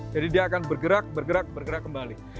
jadi dia akan bergerak bergerak bergerak kembali